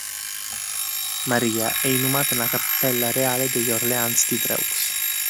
Maria è inumata nella cappella reale degli Orléans di Dreux.